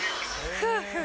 夫婦。